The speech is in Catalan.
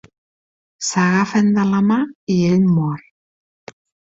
S'agafen de la mà i ell mor.